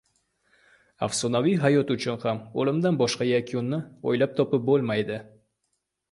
— Afsonaviy hayot uchun ham o‘limdan boshqa yakunni o‘ylab topib bo‘lmaydi.